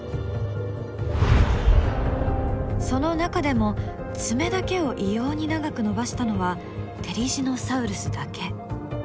その中でも爪だけを異様に長く伸ばしたのはテリジノサウルスだけ。